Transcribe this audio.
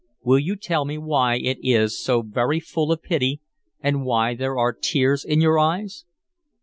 Will you tell me why it is so very full of pity, and why there are tears in your eyes?"